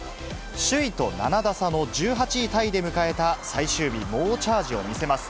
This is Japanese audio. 首位と７打差の１８位タイで迎えた最終日、猛チャージを見せます。